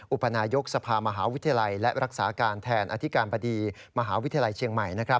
อุปนายกสภามหาวิทยาลัยและรักษาการแทนอธิการบดีมหาวิทยาลัยเชียงใหม่